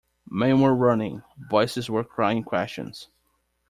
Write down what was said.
Men were running, voices were crying questions.